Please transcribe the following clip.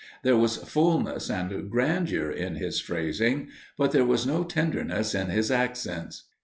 There was fulness and grandeur in his phrasing but there was no tenderness in his accents.